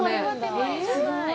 すごい。